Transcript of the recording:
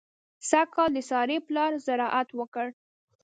سږ کال د سارې پلار زراعت وکړ.